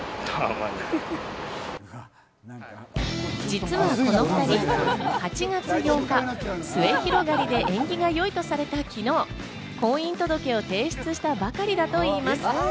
実はこの２人、８月８日、末広がりで縁起が良いとされた昨日、婚姻届を提出したばかりだといいます。